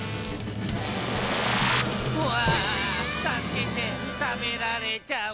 わあたすけてたべられちゃう！